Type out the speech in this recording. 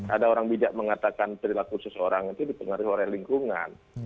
ada orang bijak mengatakan perilaku seseorang itu dipengaruhi oleh lingkungan